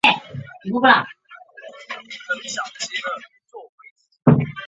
发售公司是波丽佳音。